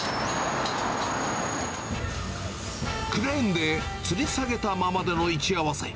クレーンでつり下げたままでの位置合わせ。